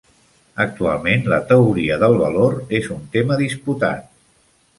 Actualment, la teoria del valor és un tema disputat.